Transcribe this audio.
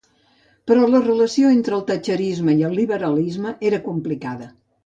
Però la relació entre el thatcherisme i el liberalisme era complicada.